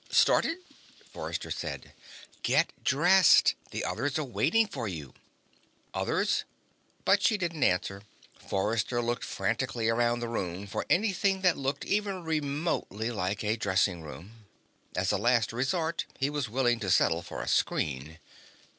"Started?" Forrester said. "Get dressed. The others are waiting for you." "Others?" But she didn't answer. Forrester looked frantically around the room for anything that looked even remotely like a dressing room. As a last resort, he was willing to settle for a screen.